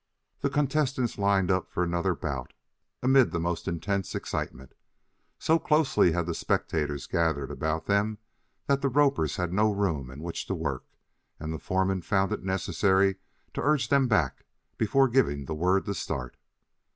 The contestants lined up for another bout, amid the most intense excitement. So closely had the spectators gathered about them that the ropers had no room in which to work, and the foreman found it necessary to urge them back before giving the word to start.